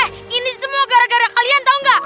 eh ini semua gara gara kalian tahu nggak